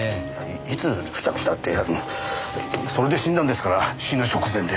いつ付着したってあのそれで死んだんですから死ぬ直前では？